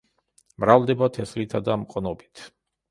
მრავლდება თესლითა და მყნობით.